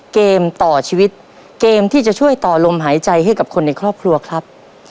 เกมต่อชีวิตเกมที่จะช่วยต่อลมหายใจให้กับคนในครอบครัวครับ